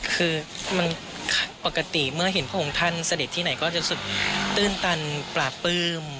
คือมันปกติเมื่อเห็นพระองค์ท่านเสด็จที่ไหนก็จะสุดตื้นตันปลาปลื้ม